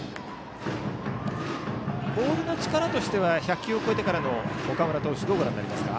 ボールの力としては１００球を超えてからの岡村投手はどうですか。